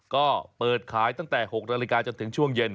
ก็เปิดขายตั้งแต่๖นาฬิกาจนถึงช่วงเย็น